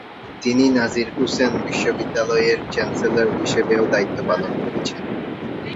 তিনি নাজির হুসেন বিশ্ববিদ্যালয়ের চ্যান্সেলর হিসাবেও দায়িত্ব পালন করেছেন।